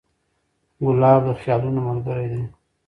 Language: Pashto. ګلاب د خیالونو ملګری دی.